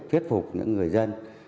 phiết phục những người dân